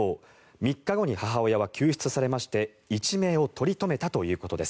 ３日後に母親は救出されまして一命を取り留めたということです。